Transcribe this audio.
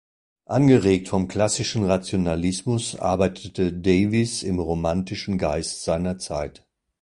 Angeregt vom klassischen Rationalismus arbeitete Davis im romantischen Geist seiner Zeit.